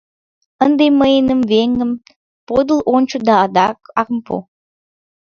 — Ынде мыйыным, веҥым, подыл ончо да акым пу.